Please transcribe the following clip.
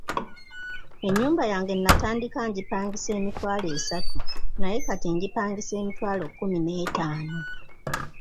Ennyumba yange natandika ngipangisa emitwalo esatu naye kati ngipangisa emitwalo kkumi n'etaano.